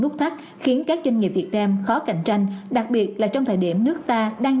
nút thắt khiến các doanh nghiệp việt nam khó cạnh tranh đặc biệt là trong thời điểm nước ta đang